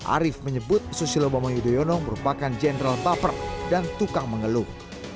arief menyebut susilo bambang yudhoyono merupakan jenderal buffer dan tukang mengeluh